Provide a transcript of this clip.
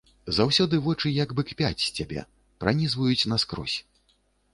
Заўсёды вочы як бы кпяць з цябе, пранізваюць наскрозь.